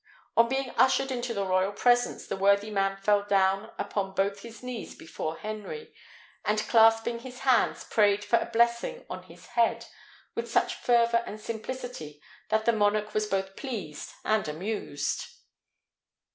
On being ushered into the royal presence, the worthy man fell down upon both his knees before Henry, and, clasping his hands, prayed for a blessing on his head with such fervour and simplicity that the monarch was both pleased and amused.